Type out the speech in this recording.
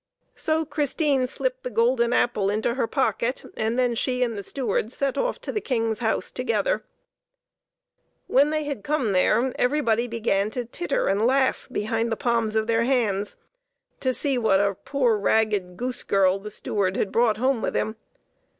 So Christine slipped the golden apple into her pocket, and then she and the steward set off to the King's house together. When they had come there everybody began to titter and laugh behind the palms of their hands to see what a poor ragged goose girl the steward had brought home with him.